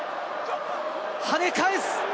はね返す！